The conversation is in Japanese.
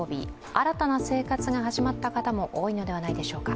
新たな生活が始まった方も多いのではないでしょうか。